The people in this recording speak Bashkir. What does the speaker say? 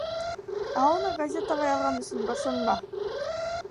Ә уны газетаға яҙған өсөн бошонма.